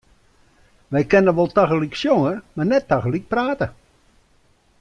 Wy kinne wol tagelyk sjonge, mar net tagelyk prate.